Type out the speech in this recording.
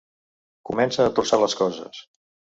Comença a torçar les coses.